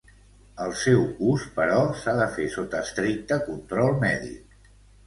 El seu ús, però, s'ha de fer sota estricte control mèdic.